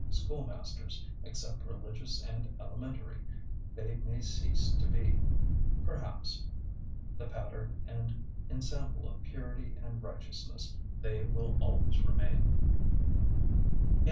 Schoolmasters, except religious and elementary, they may cease to be, perhaps; the pattern and ensample of purity and righteousness they will always remain.